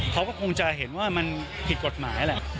เขาก็คงจะเห็นว่ามันผิดกฎหมายแหละ